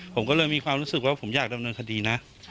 ผมก็เลยมีความรู้สึกว่าผมอยากดำเนินคดีนะ